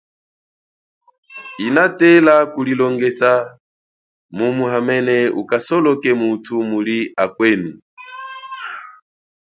Inatela kulilongeja mumu hamene ukasoloke mutu muli akwenu.